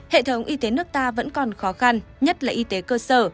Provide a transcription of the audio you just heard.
hệ thống y tế nước ta vẫn còn khó khăn nhất là y tế cơ sở